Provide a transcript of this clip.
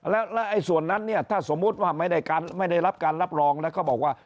แล้วส่วนนั้นเนี่ยถ้าสมมุติว่าไม่ได้รับการรับรองแล้วก็บอกว่า